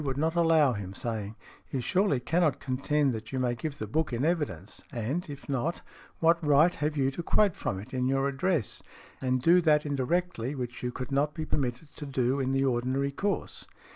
would not allow him, saying, "You surely cannot contend that you may give the book in evidence, and if not, what right have you to quote from it in your address, and do that indirectly which you would not be permitted to do in |103| the ordinary course?"